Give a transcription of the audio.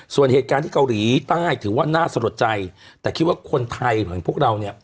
ส่วนเหตุการณ์ที่เกาหลีใต้ถือว่าน่าสะลดใจแต่คิดว่าคนไทยเหมือนพวกเราเนี่ย